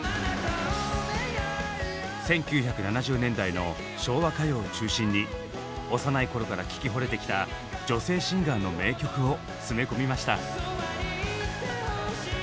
１９７０年代の昭和歌謡を中心に幼い頃から聴きほれてきた女性シンガーの名曲を詰め込みました。